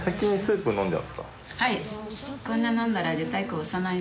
はい。